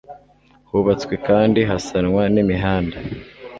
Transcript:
hubatswe kandi hasanwa n' imihanda